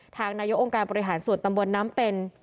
ทางนายกองค์การบริหารส่วนตำบลน้ำเป็น